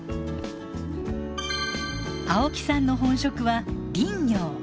青木さんの本職は林業。